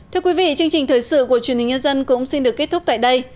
thưa quý vị chương trình thời sự của truyền hình nhân dân cũng xin được kết thúc tại đây